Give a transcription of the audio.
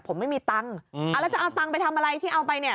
ผมไม่มีตังค์แล้วจะเอาตังค์ไปทำอะไรที่เอาไปเนี่ย